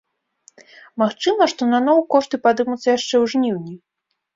Магчыма, што наноў кошты падымуцца яшчэ ў жніўні.